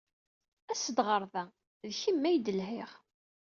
As-d ɣer da! D kemm ay d-lhiɣ.